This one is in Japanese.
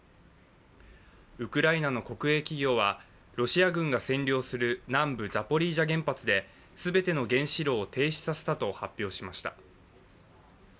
ウクライナの国営企業はロシア軍が占領する南部ザポリージャ原発で全ての原子炉を停止させたと発表しました。